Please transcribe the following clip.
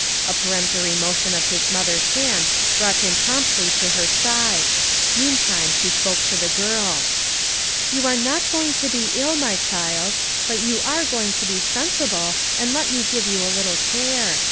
A peremptory motion of Ms mother's hand brought him promptly to her side; meantime, she spoke to the girl. "You are not going to be ill, my child; but you are going to be sensible and let me give ) r ou a little care.